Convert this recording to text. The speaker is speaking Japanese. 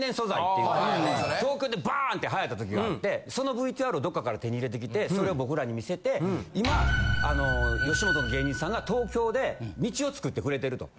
東京でバーンって流行った時があってそのＶＴＲをどっかから手に入れてきてそれを僕らに見せて今あの吉本の芸人さんが東京で道を作ってくれてると。